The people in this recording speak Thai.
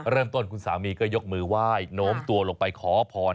เริ่มต้นคุณสามีก็ยกมือไหว้โน้มตัวลงไปขอพร